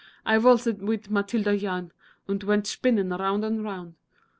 I valtzet mit Madilda Yane Und vent shpinnen round and round.